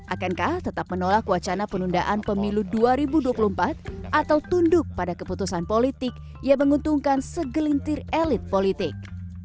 akankah tetap menolak wacana penundaan pemilu dua ribu dua puluh empat atau tunduk pada keputusan politik yang menguntungkan segelintir elit politik